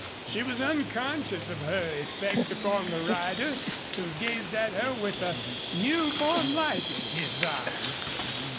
She was unconscious of her effect upon the rider, who gazed at her with a new born light in his eyes.